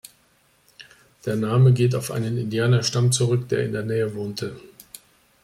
Der Name geht auf einen Indianerstamm zurück, der in der Nähe wohnte.